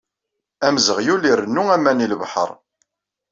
Amzeɣyul irennu aman i lebḥeṛ.